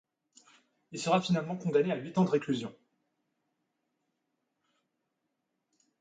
Il sera finalement condamné à huit ans de réclusion.